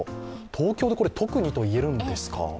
東京で特にと言えるんですか？